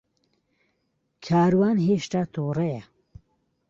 کاروان ھێشتا تووڕەیە.